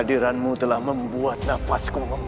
ediranmu telah membuat nafassku foi